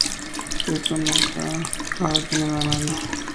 Esto nunca ha detenido a nadie".